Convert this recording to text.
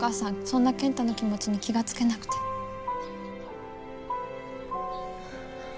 そんな健太の気持ちに気が付けなくてごめんね。